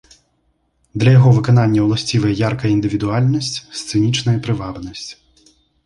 Для яго выканання ўласцівыя яркая індывідуальнасць, сцэнічная прывабнасць.